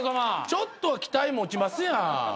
ちょっとは期待持ちますやん。